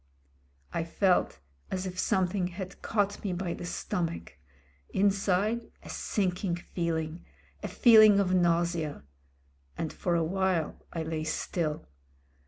... I felt as if something had caught me by the stomach — ^inside: a sinking feeling, a feeling of nausea: and for a while I lay still.